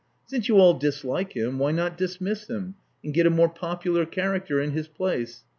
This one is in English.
Since you all dislike him, why not dismiss him and get a more popular character in his place?